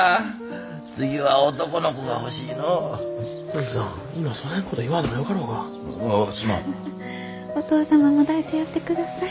フフッお義父様も抱いてやってください。